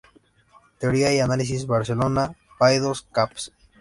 Teoría y análisis", Barcelona, Paidós, caps.